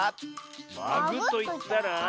「まぐ」といったら？